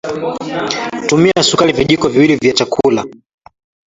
tumia sukari vijiko viwili mbili vya chakula